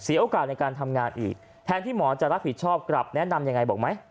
โอกาสในการทำงานอีกแทนที่หมอจะรับผิดชอบกลับแนะนำยังไงบอกไหม